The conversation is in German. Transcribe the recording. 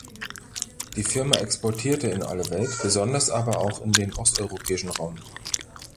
Die Firma exportierte in alle Welt, besonders aber auch in den osteuropäischen Raum.